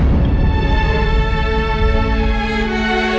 karena kita harus menjaga rena